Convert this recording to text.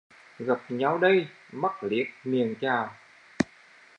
Gặp nhau đây, mắt liếc miệng chào